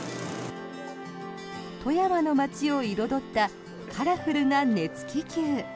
富山の街を彩ったカラフルな熱気球。